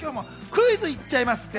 クイズ行っちゃいます。